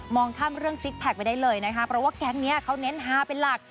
องข้ามเรื่องซิกแพคไปได้เลยนะคะเพราะว่าแก๊งนี้เขาเน้นฮาเป็นหลัก